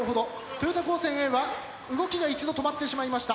豊田高専Ａは動きが一度止まってしまいました。